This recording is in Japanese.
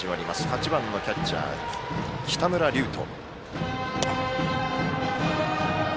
８番のキャッチャー、北村琉翔。